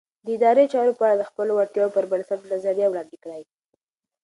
د ادارې چارو په اړه د خپلو وړتیاوو پر بنسټ نظریه وړاندې کړئ.